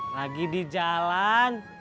lagi di jalan